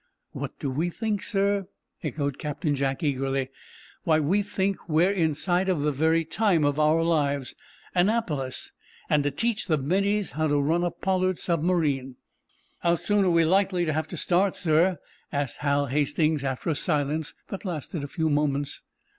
"What do we think, sir?" echoed Captain Jack, eagerly. "Why, we think we're in sight of the very time of our lives! Annapolis! And to teach the middies how to run a 'Pollard' submarine." "How soon are we likely to have to start, sir!" asked Hal Hastings, after a silence that lasted a few moments.